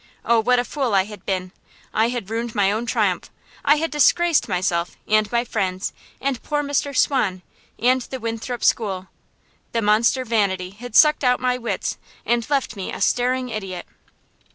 Oh, what a fool I had been! I had ruined my own triumph. I had disgraced myself, and my friends, and poor Mr. Swan, and the Winthrop School. The monster vanity had sucked out my wits, and left me a staring idiot.